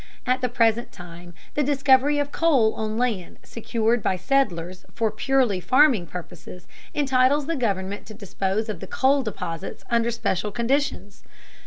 At the present time the discovery of coal on land secured by settlers for purely farming purposes entitles the government to dispose of the coal deposits under special conditions.